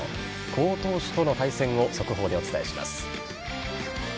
好投手との対戦を速報でお伝えします。